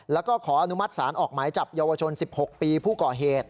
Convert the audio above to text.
แล้วก็ขออนุมัติศาลออกหมายจับเยาวชน๑๖ปีผู้ก่อเหตุ